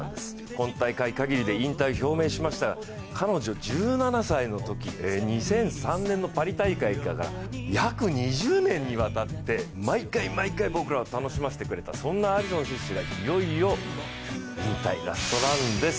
今大会限りで引退を表明しましたが彼女、１７歳のとき、２００３年のパリ大会から約２０年にわたって毎回毎回、僕らを楽しませてくれたそんなアリソン選手がいよいよ引退、ラストランです。